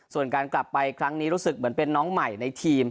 ส่วนการกลับไปครั้งนี้รู้สึกเหมือนเป็นน้องใหม่ในทีม